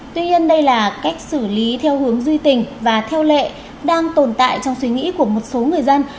tuy nhiên đây là cách xử lý theo hướng duy tình và theo lệ đang tồn tại trong suy nghĩ của một số người dân